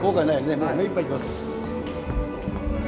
もう目いっぱいいきます。